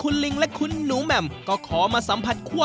พ่อค้าแม่ค้ากันแล้ว